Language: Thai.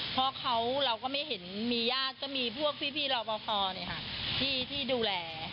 เพราะเราก็ไม่เห็นมีญาติก็มีพวกพี่รอปภที่ดูแล